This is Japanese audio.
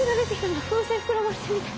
何か風船膨らませてるみたい。